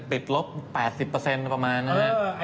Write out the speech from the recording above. บิดลบ๘๐ประมาณนะครับ